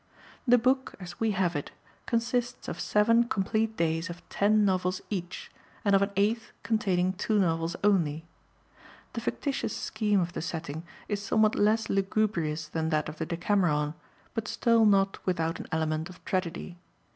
The book, as we have it, consists of seven complete days of ten novels each, and of an eighth containing two novels only. The fictitious scheme of the setting is somewhat less lugubrious than that of the Decameron, but still not without an element of tragedy.